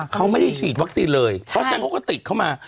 เขาไม่ได้ฉีดวัคซีนเลยเพราะฉะนั้นเขาก็ติดเข้ามา